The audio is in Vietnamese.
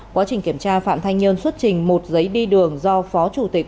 quá trình kiểm tra phạm thanh nhơn xuất trình một giấy đi đường do phó chủ tịch